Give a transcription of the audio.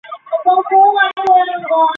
高原荨麻是荨麻科荨麻属的植物。